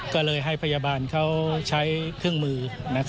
ก็เลยให้พยาบาลเขาใช้เครื่องมือ